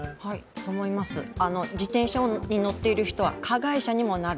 そう思います、自転車に乗っている人は加害者にもなる。